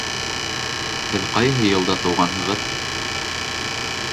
Һеҙ ҡайһы йылда тыуғанһығыҙ?